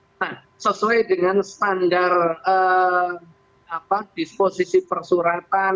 nah sesuai dengan standar disposisi persuratan